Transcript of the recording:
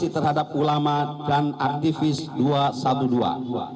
terhadap ulama dan aktivis dua satu dua